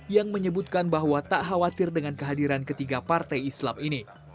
yang menyebutkan bahwa tak khawatir dengan kehadiran ketiga partai islam ini